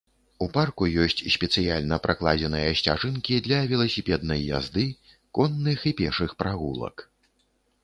У парку ёсць спецыяльна пракладзеныя сцяжынкі для веласіпеднай язды, конных і пешых прагулак.